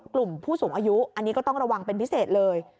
กลุ่มผู้สูงอายุอันนี้ก็ต้องระวังเป็นพิเศษเลย